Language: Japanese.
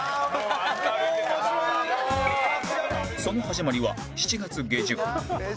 その始まりは７月下旬